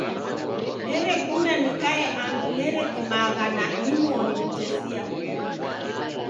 Nerekunda nikaie andu neredimagha na nimoni kutesia.